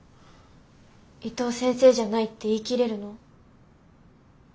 伊藤先生じゃないって言い切れるの？